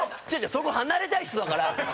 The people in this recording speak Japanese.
そこ離れたい人だから。